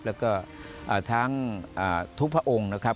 แล้วก็ทั้งทุกพระองค์นะครับ